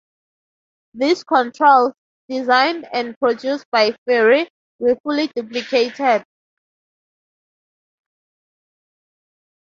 These controls, designed and produced by Fairey, were fully duplicated.